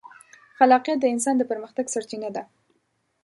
خلاقیت د انسان د پرمختګ سرچینه ده.